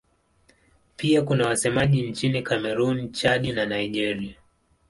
Pia kuna wasemaji nchini Kamerun, Chad na Nigeria.